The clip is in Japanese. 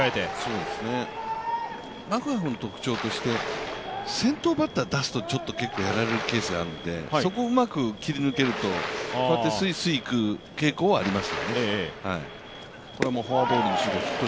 マクガフの特徴として、先頭バッターを出すと、結構やられるケースがあるんで、そこをうまく切り抜けると、こうやってすいすい行く傾向はあります。